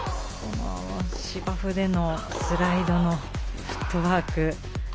芝生でのスライドのフットワーク。